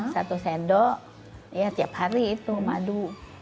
satu sendok ya tiap hari itu madu